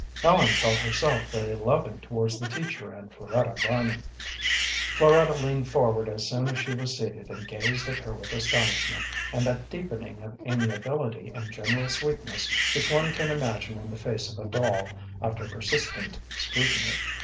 Ellen felt herself very loving towards the teacher and Floretta Vining. Floretta leaned forward as soon as she was seated and gazed at her with astonishment, and that deepening of amiability and general sweetness which one can imagine in the face of a doll after persistent scrutiny.